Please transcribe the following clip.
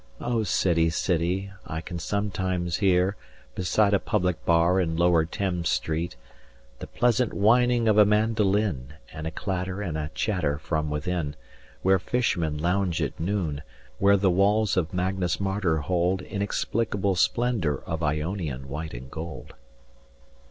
O City City, I can sometimes hear Beside a public bar in Lower Thames Street, 260 The pleasant whining of a mandoline And a clatter and a chatter from within Where fishmen lounge at noon: where the walls Of Magnus Martyr hold Inexplicable splendour of Ionian white and gold.